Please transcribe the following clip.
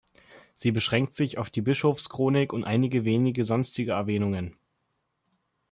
Sie beschränkt sich auf die Bischofschronik und einige wenige sonstige Erwähnungen.